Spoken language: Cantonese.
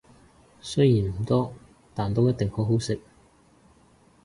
雖然唔多，但都一定好好食